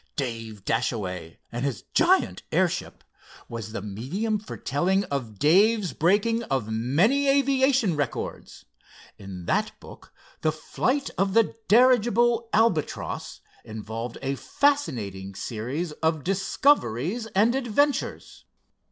"Dave Dashaway And His Giant Airship," was the medium for telling of Dave's breaking of many aviation records. In that book the flight of the dirigible Albatross, involved a fascinating series of discoveries and adventures.